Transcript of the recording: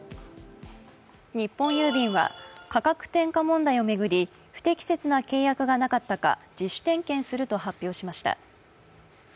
日本郵便は価格転嫁問題を巡り不適切な契約がなかったか自主点検すると発表しました。